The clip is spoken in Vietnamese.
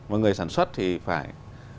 và người sản xuất thì phải